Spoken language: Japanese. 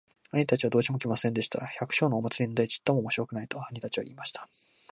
兄たちはどうしても来ませんでした。「百姓のお祭なんてちっとも面白くない。」と兄たちは言いました。